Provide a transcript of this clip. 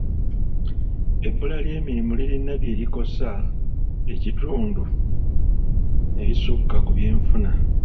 Ebbula ly'emirimu lirina bye likosa ekitundu ebisukka ku byenfuna.